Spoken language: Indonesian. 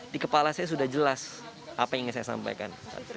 di kepala saya sudah jelas apa yang ingin saya sampaikan